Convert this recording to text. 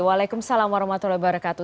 waalaikumsalam warahmatullahi wabarakatuh